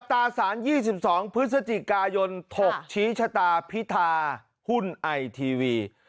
ตราสาร๒๒พฤศจิกายนถกชี้ชะตาพิธาหุ้นไอทีวี